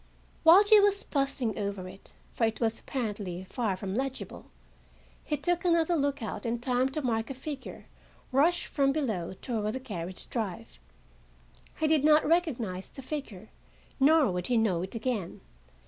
While she was puzzling over it, for it was apparently far from legible, he took another look out in time to mark a figure rush from below toward the carriage drive. He did not recognize the figure nor would he know it again.